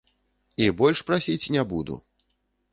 І больш прасіць не буду.